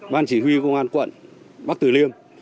ban chỉ huy công an quận bắc tử liêm